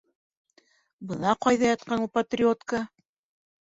Бына ҡайҙа ятҡан ул патриотка!